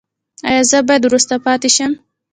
ایا زه باید وروسته پاتې شم؟